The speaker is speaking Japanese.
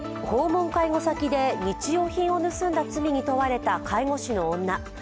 訪問介護先で日用品を盗んだ罪に問われた介護士の女。